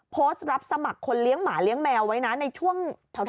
รับสมัครคนเลี้ยงหมาเลี้ยงแมวไว้นะในช่วงแถว